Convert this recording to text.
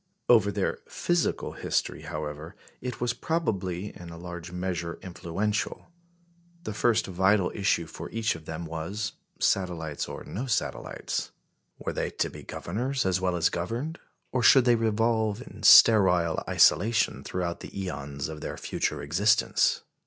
Over their physical history, however, it was probably in a large measure influential. The first vital issue for each of them was satellites or no satellites? Were they to be governors as well as governed, or should they revolve in sterile isolation throughout the æons of their future existence?